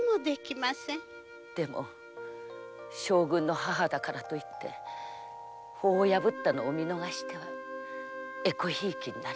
でも将軍の母だからといって法を破った者を見逃してはエコヒイキになります。